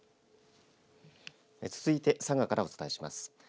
続いて、佐賀からお伝えします。